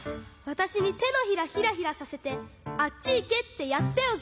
わたしにてのひらヒラヒラさせてあっちいけってやったよ